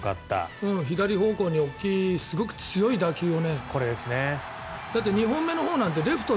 左方向に大きいすごく強い打球を。